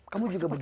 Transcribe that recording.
kamu juga begitu